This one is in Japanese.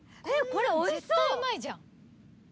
こんなん絶対うまいじゃん。